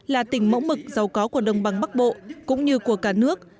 là tỉnh mẫu mực giàu có của đồng bằng bắc bộ cũng như của cả nước